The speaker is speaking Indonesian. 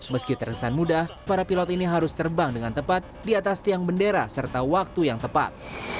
meski terkesan mudah para pilot ini harus terbang dengan tepat di atas tiang bendera serta waktu yang tepat